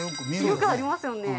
よくありますよね。